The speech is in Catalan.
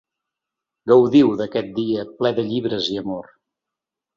Gaudiu d’aquest dia ple de llibres i amor.